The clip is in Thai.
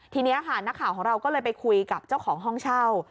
ทีนี้ค่ะนักข่าวของเราก็เลยไปคุยกับเจ้าของห้องเช่า